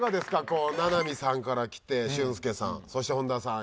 こう名波さんからきて俊輔さんそして本田さん